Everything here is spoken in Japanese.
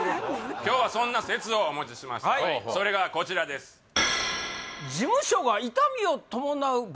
今日はそんな説をお持ちしましたそれがこちらですああ